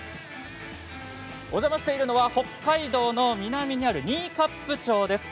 お邪魔しているのは北海道の南にある新冠町です。